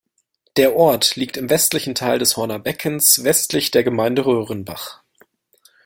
Der Ort liegt im westlichen Teil des Horner Beckens westlich der Gemeinde Röhrenbach.